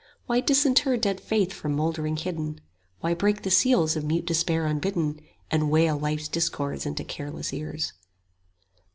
Why disinter dead faith from mouldering hidden? 5 Why break the seals of mute despair unbidden, And wail life's discords into careless ears?